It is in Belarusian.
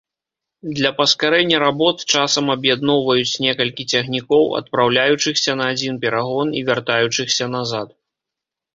Для паскарэння работ часам аб'ядноўваюць некалькі цягнікоў, адпраўляючыхся на адзін перагон і вяртаючыхся назад.